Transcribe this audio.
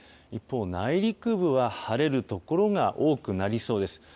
一方、内陸部は晴れる所が多くなりそうです。